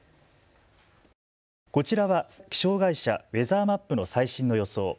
こちらは気象会社、ウェザーマップの最新の予想。